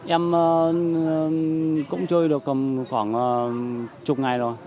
em cũng chơi được khoảng chục ngày rồi